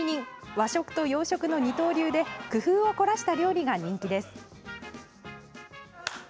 和食と洋食の二刀流で工夫を凝らした料理が人気です。